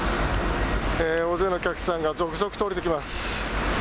大勢のお客さんが続々と降りてきます。